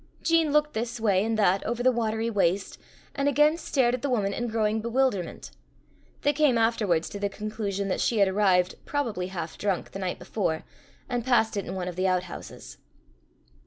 Jean looked this way and that over the watery waste, and again stared at the woman in growing bewilderment. They came afterwards to the conclusion that she had arrived, probably half drunk, the night before, and passed it in one of the outhouses.